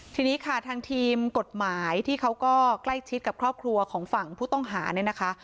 ทีนี้ค่ะทางทีมกฎหมายที่เขาก็ใกล้ชิดกับครอบครัวของฝั่งผู้ต้องหาเนี่ยนะคะ